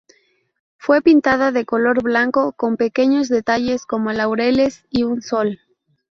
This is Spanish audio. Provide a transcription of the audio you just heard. Fue pintada de color blanco, con pequeños detalles como laureles y un sol.